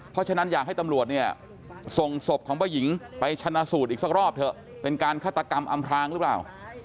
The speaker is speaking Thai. เพราะฉะนั้นอยากให้ตำรวจเนี่ยส่งศพของป้าหญิงไปชนะสูตรอีกสักรอบเถอะเป็นการฆาตกรรมอำพลางหรือเปล่า